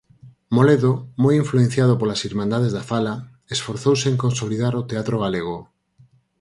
Moledo, moi influenciado polas Irmandades da Fala, esforzouse en consolidar o teatro galego.